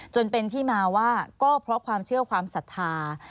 จนเป็นที่มาว่าก็เพราะความเชื่อความศรัทธา